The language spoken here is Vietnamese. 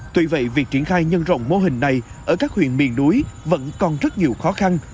tuy vậy việc triển khai nhân rộng mô hình này ở các huyện miền núi vẫn còn rất nhiều khó khăn